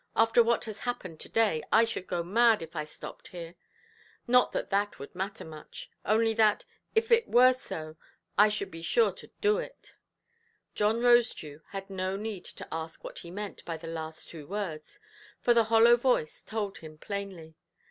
After what has happened to–day, I should go mad, if I stopped here. Not that that would matter much; only that, if it were so, I should be sure to do it". John Rosedew had no need to ask what he meant by the last two words, for the hollow voice told him plainly.